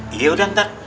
iya udah ntar